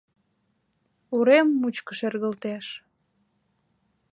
Урем мучко шергылтеш.